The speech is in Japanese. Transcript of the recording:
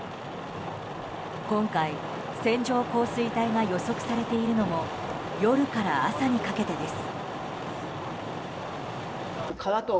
今回、線状降水帯が予測されているのも夜から朝にかけてです。